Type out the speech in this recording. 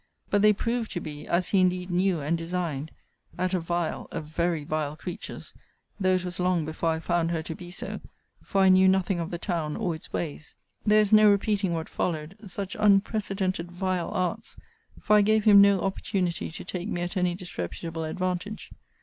But they proved to be (as he indeed knew and designed) at a vile, a very vile creature's; though it was long before I found her to be so; for I knew nothing of the town, or its ways. 'There is no repeating what followed: such unprecedented vile arts! For I gave him no opportunity to take me at any disreputable advantage.'